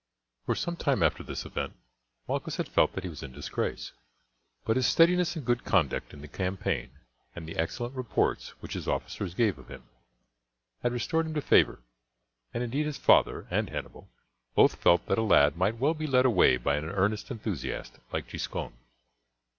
For some time after this event Malchus had felt that he was in disgrace, but his steadiness and good conduct in the campaign, and the excellent reports which his officers gave of him, had restored him to favour; and indeed his father and Hannibal both felt that a lad might well be led away by an earnest enthusiast like Giscon.